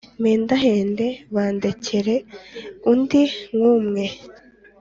mpendahende bandekere undi nk’umwe